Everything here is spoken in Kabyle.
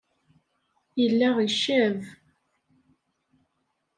Yella icab.